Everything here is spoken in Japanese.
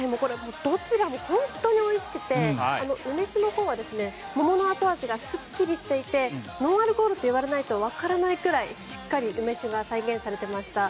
どちらも本当においしくて梅酒のほうは桃の後味がすっきりしていてノンアルコールと言われないとわからないくらいしっかり梅酒が再現されていました。